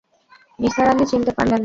নিসার আলি চিনতে পারলেন না।